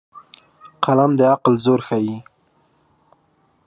قلم د عقل زور ښيي